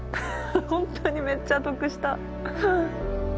本当にめっちゃ得した。